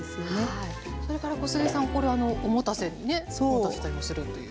それから小菅さんこれお持たせにね持たせたりもするという。